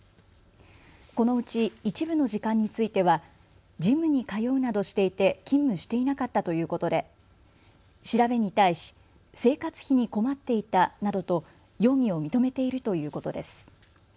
このうち一部の時間についてはジムに通うなどしていて勤務していなかったということで調べに対し生活費に困っていたなどと容疑を認めているということです。